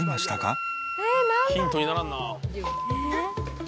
ヒントにならんな。